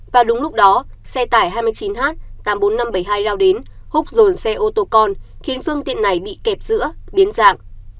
và đúng lúc đó xe tải hai mươi chín h tám mươi bốn nghìn năm trăm bảy mươi hai lao đến húc dồn xe ô tô con khiến phương tiện này bị kẹp giữa biến dạng